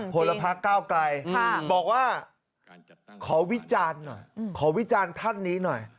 พลพักก้าวไกลบอกว่าขอวิจารณ์หน่อยขอวิจารณ์ท่านนี้หน่อย